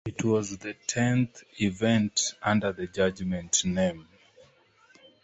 It was the tenth event under the Judgement name.